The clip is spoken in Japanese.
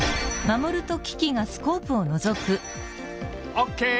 オーケー！